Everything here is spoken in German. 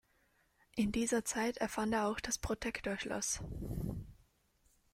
In dieser Zeit erfand er auch das Protector-Schloss.